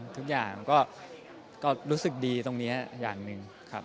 ทุกอย่างก็รู้สึกดีตรงนี้อย่างหนึ่งครับ